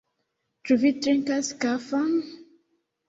Ĉu vi trinkas kafon?